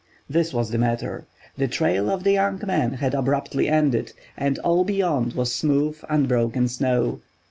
This was the matter: the trail of the young man had abruptly ended, and all beyond was smooth, unbroken snow.